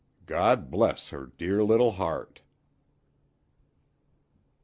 God bless her dear little heart!"